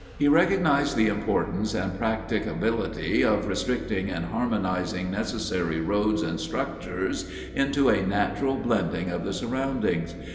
He recognized the importance and practicability of restricting and harmonizing necessary roads and structures into a natural blending of the surroundings.